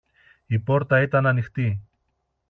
Η πόρτα ήταν ανοιχτή.